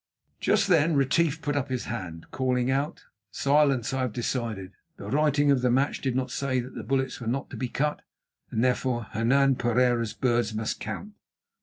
Just then Retief put up his hand, calling out: "Silence! I have decided. The writing of the match did not say that the bullets were not to be cut, and therefore Hernan Pereira's birds must count.